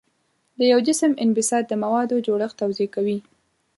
د یو جسم انبساط د موادو جوړښت توضیح کوي.